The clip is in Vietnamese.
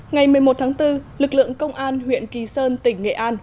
ngày một mươi một tháng bốn lực lượng công an huyện kỳ sơn tỉnh nghệ an